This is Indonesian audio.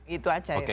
itu aja ya prinsipnya